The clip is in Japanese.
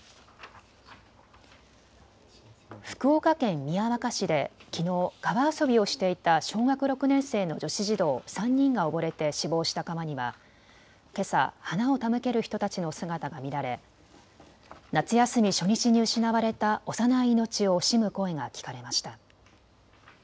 福岡県宮若市できのう、川遊びをしていた小学６年生の女子児童３人が溺れて死亡した川にはけさ、花を手向ける人たちの姿が見られ夏休み初日に失われた幼い命を惜しむ声が聞かれました。